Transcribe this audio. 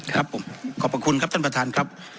ครับผมขอบพระคุณครับท่านประธานครับ